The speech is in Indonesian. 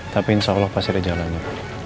tapi insya allah pasti ada jalannya